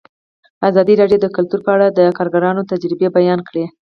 ازادي راډیو د کلتور په اړه د کارګرانو تجربې بیان کړي.